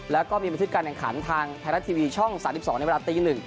แล้วก็มีบันทึกการแข่งขันทางไทยรัฐทีวีช่อง๓๒ในเวลาตี๑